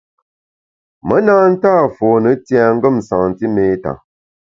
Me na nta fone tiengem santiméta.